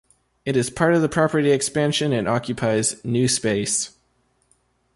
It is part of the property expansion and occupies new space.